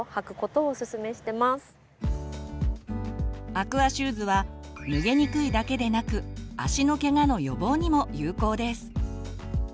アクアシューズは脱げにくいだけでなく足のケガの予防にも有効です。